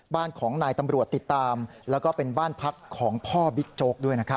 บ้านของนายตำรวจติดตามแล้วก็เป็นบ้านพักของพ่อบิ๊กโจ๊กด้วยนะครับ